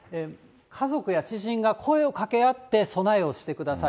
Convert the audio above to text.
家族や知人が声をかけ合って、備えをしてください。